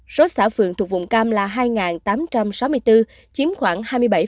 số xã phường thuộc vùng cam là hai tám trăm sáu mươi bốn chiếm khoảng hai mươi bảy